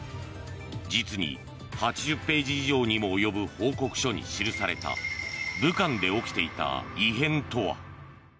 実に８０ページ以上にも及ぶ報告書に記された武漢で起きていた異変とは。